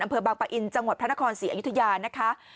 อำเภอบางปะอินจังหวัดพระนครศรีอยุธยานะคะ